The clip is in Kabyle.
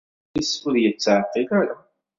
Urrif-is ur ittɛeṭṭil ara.